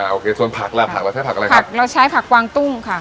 โอเคส่วนผักล่ะผักเราใช้ผักอะไรครับผักเราใช้ผักวางตุ้งค่ะ